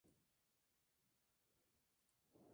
La actual ministra es Rocío Barrios.